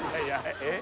えっ？